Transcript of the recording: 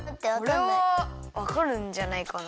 これはわかるんじゃないかな。